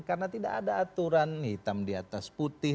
karena tidak ada aturan hitam di atas putih